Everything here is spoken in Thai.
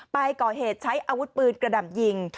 ไปก่อเหตุใช้อาวุธปืนกระดำยิง